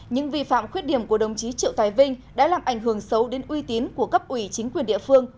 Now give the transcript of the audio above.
những vi phạm khuyết điểm của đồng chí triệu tài vinh đã làm ảnh hưởng xấu đến uy tín của cấp ủy chính quyền địa phương